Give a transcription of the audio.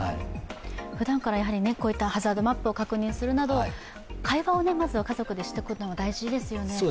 ふだんから、こういったハザードマップを確認するなど、会話をまず家族ですることが大事ですよね。